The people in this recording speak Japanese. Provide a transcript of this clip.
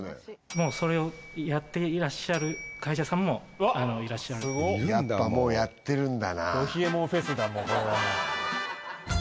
もうそれをやっていらっしゃる会社さんもいらっしゃるやっぱもうやってるんだなど冷えもんフェスだ